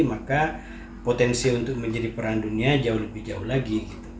maka potensi untuk menjadi peran dunia jauh lebih jauh lagi